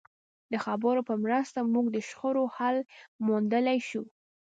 د خبرو په مرسته موږ د شخړو حل موندلای شو.